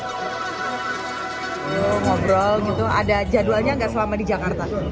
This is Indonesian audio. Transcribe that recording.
ngobrol gitu ada jadwalnya nggak selama di jakarta